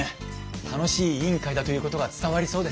楽しい委員会だということが伝わりそうです。